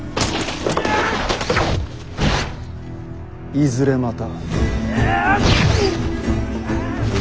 いずれまた。